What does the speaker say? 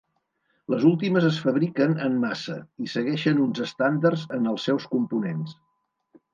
Les últimes es fabriquen en massa i segueixen uns estàndards en els seus components.